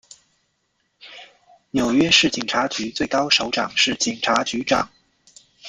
纽约市警察局最高首长是警察局长。